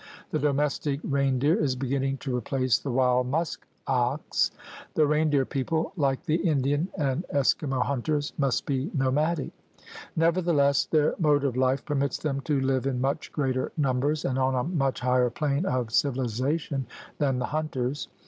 The domestic rein deer is beginning to replace the wild musk ox. The reindeer people, like the Indian and Eskimo hunters, must be nomadic. Nevertheless their mode of life permits them to live in much greater numbers and on a much higher plane of civiliza tion than the hunters.